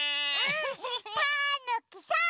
たぬきさん！